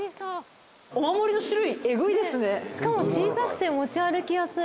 しかも小さくて持ち歩きやすい。